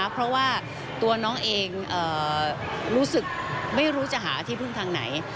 เพราะว่าตัวน้องเองรู้สึกไม่รู้จะหาที่พึ่งทางไหน